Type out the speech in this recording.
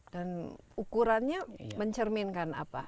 dan ukurannya mencerminkan apa